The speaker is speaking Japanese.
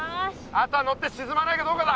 あとは乗ってしずまないかどうかだ。